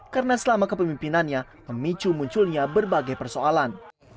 karena selama kepemimpinannya memicu munculnya berbagai persoalan